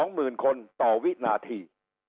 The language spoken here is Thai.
หมื่นคนต่อวินาที